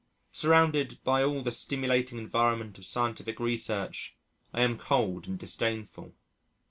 Surrounded by all the stimulating environment of scientific research, I am cold and disdainful.